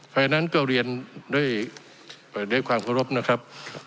เพราะฉะนั้นก็เรียนด้วยความเคารพนะครับ